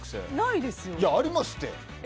いや、ありますって！